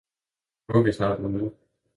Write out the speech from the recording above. »Nu er vi snart ude!